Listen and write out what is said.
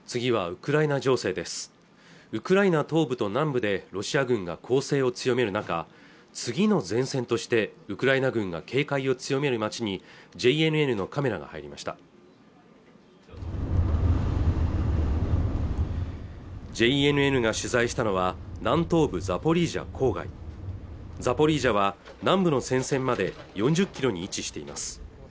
ウクライナ東部と南部でロシア軍が攻勢を強める中次の前線としてウクライナ軍が警戒を強める町にＪＮＮのカメラが入りましたＪＮＮが取材したのは南東部ザポリージャ郊外ザポリージャは南部の戦線まで４０キロに位置しています